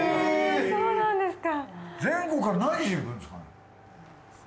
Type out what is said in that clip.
そうなんですか。